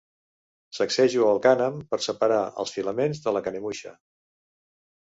Sacsejo el cànem per separar els filaments de la canemuixa.